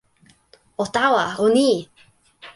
o tawa, o ni!